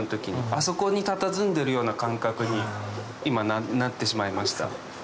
あそこにたたずんでいるような感覚に今なってしまいました。